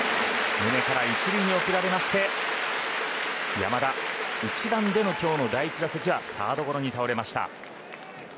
宗から１塁へ送られまして山田１番での今日の第１打席はサードゴロに倒れました。